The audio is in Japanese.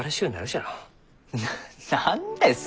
な何です？